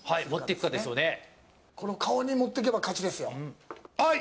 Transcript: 顔に持っていけば勝ちですよ。